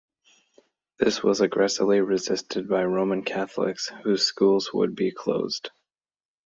This was aggressively resisted by Roman Catholics, whose schools would be closed.